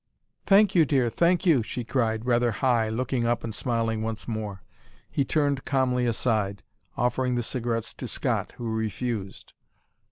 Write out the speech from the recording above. "Thank you, dear thank you," she cried, rather high, looking up and smiling once more. He turned calmly aside, offering the cigarettes to Scott, who refused.